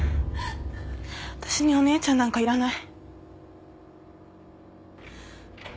私にお姉ちゃんなんかいらない。